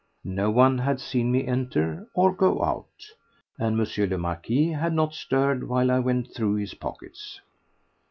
No one had seen me enter or go out, and M. le Marquis had not stirred while I went through his pockets.